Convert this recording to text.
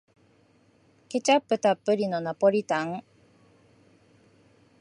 ケチャップたっぷりのナポリタン